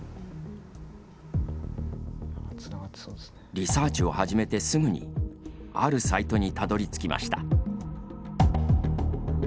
リサーチを始めてすぐにあるサイトにたどり着きました。